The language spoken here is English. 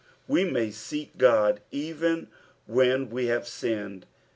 We may seek Ood even when we have sinned.